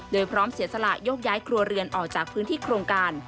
โดยพร้อมเสียสละยกย้ายครัวเรือนออกจากบุคคล